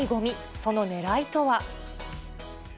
そのねらいとは。